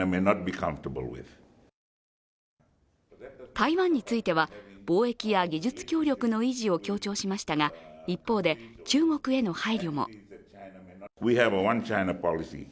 台湾については、貿易や技術協力の維持を強調しましたが一方で、中国への配慮も。